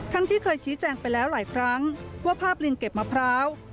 ที่เคยชี้แจงไปแล้วหลายครั้งว่าภาพลิงเก็บมะพร้าว